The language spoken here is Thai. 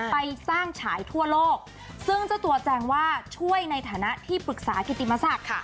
ไปสร้างฉายทั่วโลกซึ่งเจ้าตัวแจงว่าช่วยในฐานะที่ปรึกษากิติมศักดิ์ค่ะ